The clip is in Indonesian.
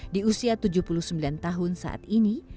di usia tujuh puluh sembilan tahun saat ini